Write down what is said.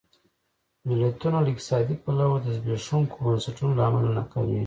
ملتونه له اقتصادي پلوه د زبېښونکو بنسټونو له امله ناکامېږي.